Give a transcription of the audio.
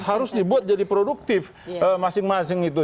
harus dibuat jadi produktif masing masing itu